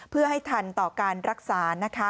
เพื่อให้ทันต่อการรักษานะคะ